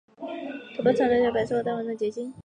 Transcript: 头孢唑肟常态下为白色或淡黄色结晶。